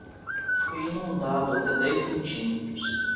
Foi inundado até dez centímetros.